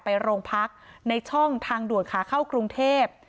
ไปโรงพักในช่องทางด่วนขาเข้ากรุงเทพ